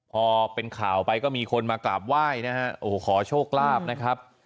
พอเป็นข่าวไปก็มีคนมากราบไหว้นะฮะโอ้โหขอโชคลาภนะครับ